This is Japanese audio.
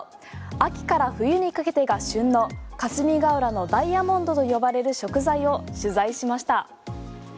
秋から冬にかけてが旬の霞ヶ浦のダイヤモンドと呼ばれる食材を取材しました。